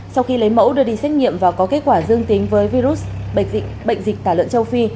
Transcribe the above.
sau khi lấy mẫu đưa đi xét nghiệm và có kết quả dương tính với virus bệnh dịch tả lợn châu phi